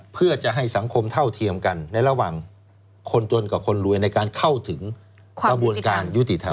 เพื่อจะให้สังคมเท่าเทียมกันในระหว่างคนจนกับคนรวยในการเข้าถึงกระบวนการยุติธรรม